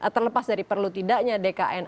terlepas dari perlu tidaknya dkn